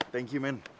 thank you man